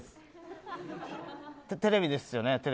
テレビですよね。